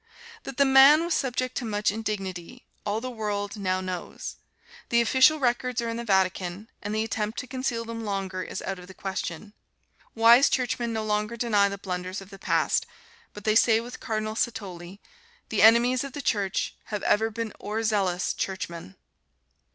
That the man was subjected to much indignity, all the world now knows. The official records are in the Vatican, and the attempt to conceal them longer is out of the question. Wise Churchmen no longer deny the blunders of the past, but they say with Cardinal Satolli, "The enemies of the Church have ever been o'er zealous Churchmen."